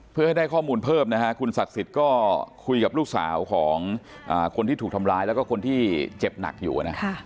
เพื่อให้ได้ข้อมูลเพิ่มนะฮะคุณศักดิ์สิทธิ์ก็คุยกับลูกสาวของคนที่ถูกทำร้ายแล้วก็คนที่เจ็บหนักอยู่นะ